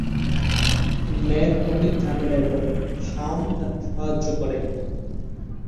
Mac অনেক ঝামেলায় পড়ে, স্যাম তাকে সাহায্য করে।